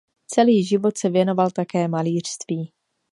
Celý život se věnoval také malířství.